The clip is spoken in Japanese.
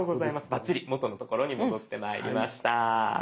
バッチリ元の所に戻ってまいりました。